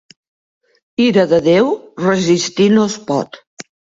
Ira de Déu resistir no es pot.